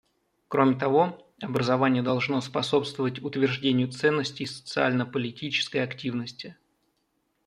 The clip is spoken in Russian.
Кроме того, образование должно способствовать утверждению ценностей социально-политической активности.